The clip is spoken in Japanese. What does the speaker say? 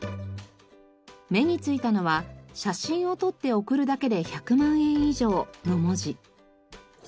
目についたのは「写真を撮って送るだけで１００万円以上」の文字。